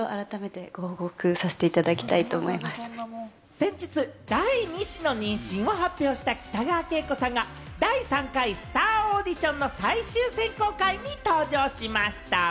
先日、第２子の妊娠を発表した北川景子さんが第３回スター☆オーディションの最終選考会に登場しました。